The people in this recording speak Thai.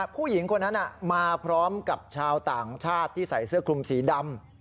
ผู้หญิงคนนั้นมาพร้อมกับชาวต่างชาติที่ใส่เสื้อคลุมสีดำ